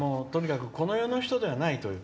この世の人ではないという。